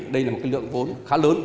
đây là một cái lượng vốn khá lớn